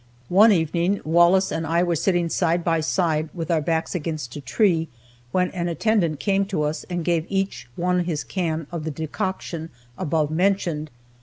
One evening, Wallace and I were sitting side by side with our backs against a tree, when an attendant came to us and gave each one his can of the decoction above mentioned.